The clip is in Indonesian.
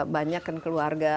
banyak kan keluarga